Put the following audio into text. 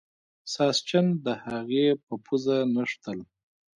ساسچن د هغې په پوزه نښتل.